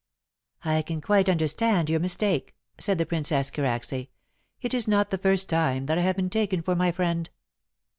"I can quite understand your mistake," said the Princess Karacsay. "It is not the first time that I have been taken for my friend."